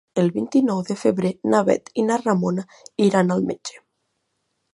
El vint-i-nou de febrer na Bet i na Ramona iran al metge.